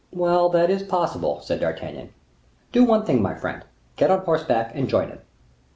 "Well, that is possible," said D'Artagnan. "Do one thing, my friend. Get on horseback, and join him."